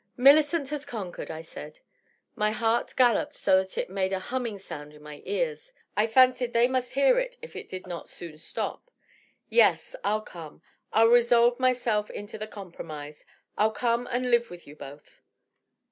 " Millicent has conquered," I said. My heart galloped so that it made a humming sound in my ears ; I fancied they must hear it if it did not soon stop. " Yes, I'll come. I'll resolve my self into the compromise. .. I'll come and live with you both."